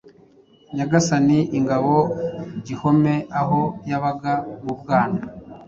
nyagasani ingabo-gihome aho yabaga mubwana